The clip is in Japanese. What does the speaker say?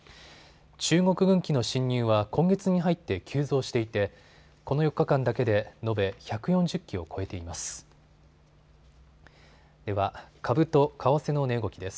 中国軍機の進入は今月に入って急増していてこの４日間だけで延べ１４０機を超えています。